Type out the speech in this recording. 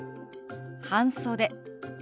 「半袖」。